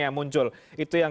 yang muncul itu yang